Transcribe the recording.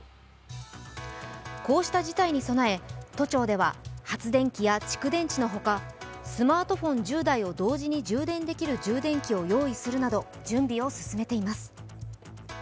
こうした事態に備え、都庁では発電機や蓄電池の他、スマートフォン１０台を同時に充電できる充電器を用意するなど準備を進めています。